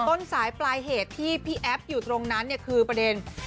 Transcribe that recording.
ต้นสายปลายเหตุที่พี่แอฟอยู่ตรงนั้นเนี่ยคือประเด็น